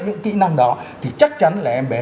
những kỹ năng đó thì chắc chắn là em bé